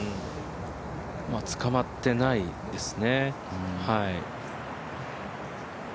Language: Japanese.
捕まってないですね。